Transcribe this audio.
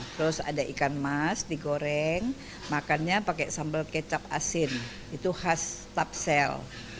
terus ada ikan mas digoreng makannya pakai sambal kecap asin itu khas tapsel